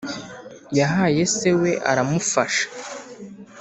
yahaye se we aramufasha